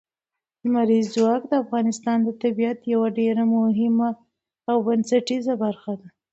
لمریز ځواک د افغانستان د طبیعت یوه ډېره مهمه او بنسټیزه برخه ده.